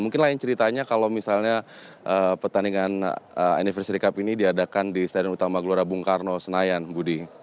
mungkin lain ceritanya kalau misalnya pertandingan anniversary cup ini diadakan di stadion utama gelora bung karno senayan budi